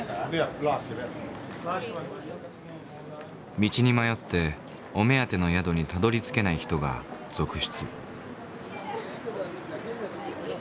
道に迷ってお目当ての宿にたどりつけない人が続出。